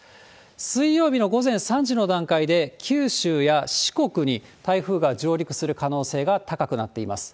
水曜日の午前３時の段階で、九州や四国に台風が上陸する可能性が高くなっています。